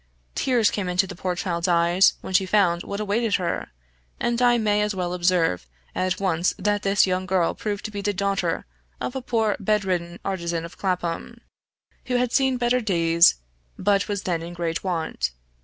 Tears came into the poor child's eyes when she found what awaited her, and I may as well observe at once that this young girl proved to be the daughter of a poor bed ridden artisan of Clapham, who had seen better days, but was then in great want.